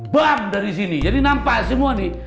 bab dari sini jadi nampak semua nih